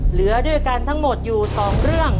เหลือด้วยกันทั้งหมดอยู่๒เรื่อง